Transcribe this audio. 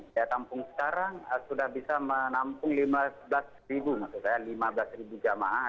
kaya tampung sekarang sudah bisa menampung lima belas ribu lima belas ribu jamaah